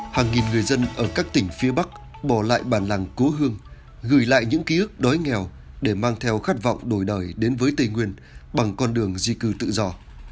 hàng nghìn người dân ở các tỉnh phía bắc bỏ lại bản làng cố hương gửi lại những ký ức đói nghèo để mang theo khát vọng đổi đời đến với tây nguyên bằng con đường di cư tự do